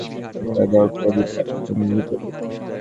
তাঁরা সেখান থেকে বেরিয়ে এসে ইশারা দেওয়ার পরই পাঁচ জঙ্গি ভেতরে ঢোকেন।